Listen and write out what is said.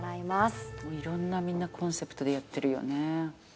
いろんなみんなコンセプトでやってるよね。